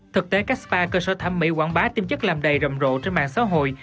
thực tế các spa cơ sở thẩm mỹ quảng bá tiêm chất làm đầy rầm rộ trên mạng xã hội